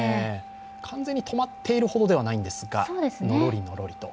完全に止まっているほどではないんですが、のろりのろりと。